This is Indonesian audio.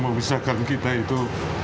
membesarkan kita itu